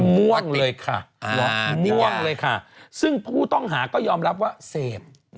ม่วงเลยค่ะน่วงเลยค่ะซึ่งผู้ต้องหาก็ยอมรับว่าเสพ